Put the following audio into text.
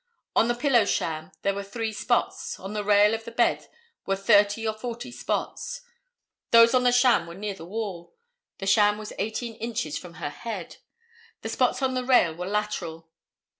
On the pillow sham there were three spots, on the rail of the bed were thirty or forty spots. Those on the sham were near the wall. The sham was eighteen inches from her head. The spots on the rail were lateral.